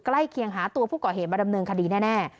ใกล้เคียงหาตัวผู้ก่อเหตุมาดำเนินคดีแน่